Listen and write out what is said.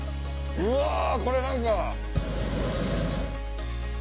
うわこれ何か。